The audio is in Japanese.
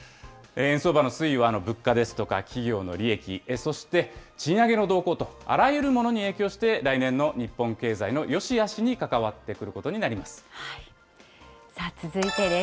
円相場の推移は物価ですとか企業の利益、そして賃上げの動向とあらゆるものに影響して、来年の日本経済のよしあしに関わってくることになります。